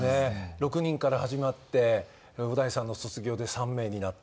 ６人から始まって小田井さんの卒業で３名になって。